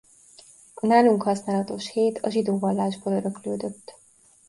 A nálunk használatos hét a zsidó vallásból öröklődött.